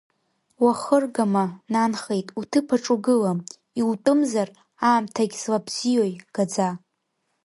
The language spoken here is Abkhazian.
Уахыргама, нанхеит, уҭыԥаҿ угылам, иутәымзар, аамҭагь злабзиои, гаӡа!